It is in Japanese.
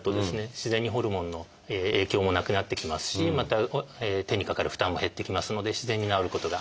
自然にホルモンの影響もなくなってきますしまた手にかかる負担も減ってきますので自然に治ることが。